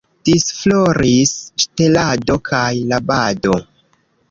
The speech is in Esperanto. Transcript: Disfloris ŝtelado kaj rabado.